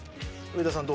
上田さん